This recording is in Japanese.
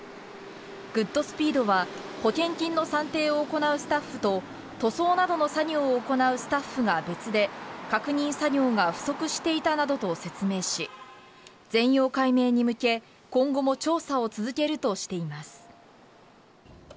グッドスピードは保険金の算定を行うスタッフと塗装などの作業を行うスタッフが別で確認作業が不足していたなどと説明し全容解明に向け、今後も調査を続けるとしています。